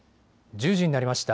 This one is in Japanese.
１０時になりました。